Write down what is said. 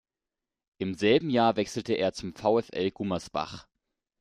Im selben Jahr wechselte er zum VfL Gummersbach.